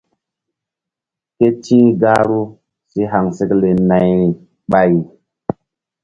Ke ti̧h gahru si haŋsekle nayri ɓay.